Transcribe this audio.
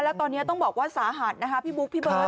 แล้วตอนนี้ต้องบอกว่าสาหัสนะคะพี่บุ๊คพี่เบิร์